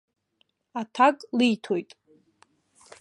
Аҭак лиҭоит.